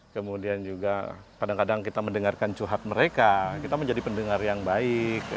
kemudian juga kadang kadang kita mendengarkan curhat mereka kita menjadi pendengar yang baik